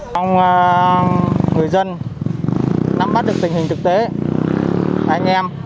mong người dân nắm bắt được tình hình thực tế anh em